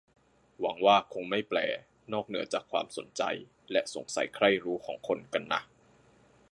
หวังว่าคงไม่แปล นอกเหนือจากความสนใจและสงสัยใคร่รู้ของคนกันนะ